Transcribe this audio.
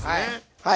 はい。